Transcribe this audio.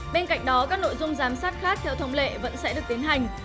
bên cạnh đó các nội dung giám sát khác theo thông lệ vẫn sẽ được tiến hành